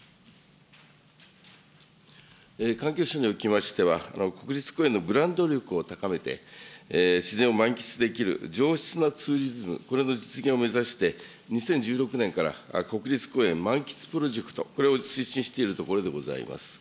環境省におきましては、国立公園のブランド力を高めて、自然を満喫できる上質なツーリズム、これの実現を目指して２０１６年から国立公園満喫プロジェクト、これを推進しているところでございます。